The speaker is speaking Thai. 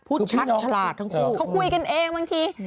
ชัดฉลาดทั้งคู่เขาคุยกันเองบางที